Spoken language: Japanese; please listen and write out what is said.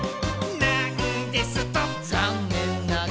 「なんですと」